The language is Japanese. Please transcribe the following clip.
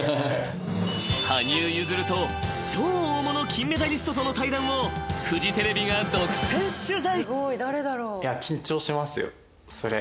［羽生結弦と超大物金メダリストとの対談をフジテレビが独占取材］